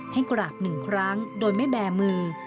ให้กราบ๑ครั้งโดยไม่แบมือ